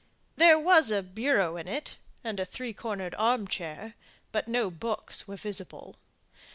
There was a bureau in it, and a three cornered arm chair, but no books were visible.